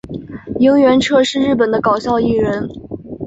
萤原彻是日本的搞笑艺人。